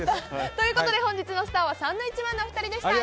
ということで本日のスターはサンドウィッチマンのお二人でした。